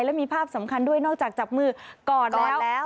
และมีภาพสำคัญด้วยนอกจากจับมือก่อนแล้วแล้ว